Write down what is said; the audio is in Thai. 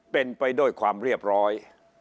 เป็นไปด้วยความเรียบร้อย